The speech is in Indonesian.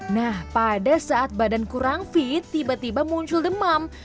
nah pada saat badan kurang fit tiba tiba muncul demam